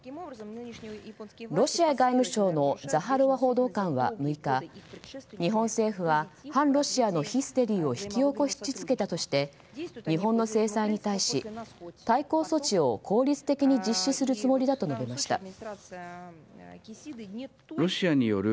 ロシア外務省のザハロワ報道官は６日日本政府は反ロシアのヒステリーを引き起こし続けたとして日本の制裁に対し対抗措置を効率的に実施するつもりだと述べました。